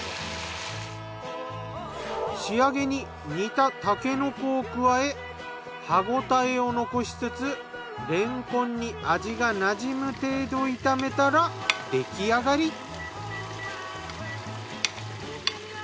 仕上げに煮たたけのこを加え歯ごたえを残しつつれんこんに味がなじむ程度炒めたら出来上がり。